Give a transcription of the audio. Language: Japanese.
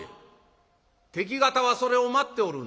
「敵方はそれを待っておるんだ」。